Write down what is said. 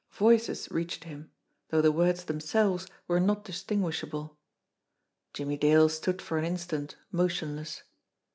Voices reached him, though the words themselves were not distinguishable. Jimmie Dale stood for an instant motionless.